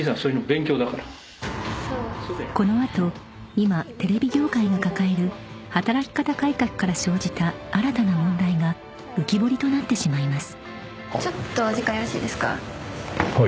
［この後今テレビ業界が抱える働き方改革から生じた新たな問題が浮き彫りとなってしまいます］